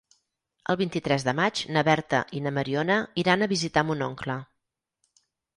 El vint-i-tres de maig na Berta i na Mariona iran a visitar mon oncle.